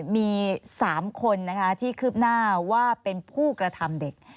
มี๓คนที่คืบหน้าว่าเป็นผู้กระทำเด็ก